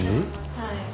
はい。